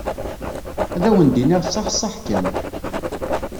Ad awen-d-iniɣ saḥ saḥ kan